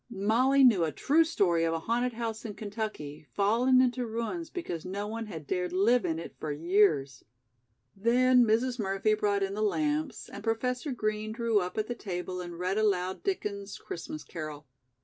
Molly knew a true story of a haunted house in Kentucky, fallen into ruins because no one had dared live in it for years. Then Mrs. Murphy brought in the lamps and Professor Green drew up at the table and read aloud Dickens's "Christmas Carol."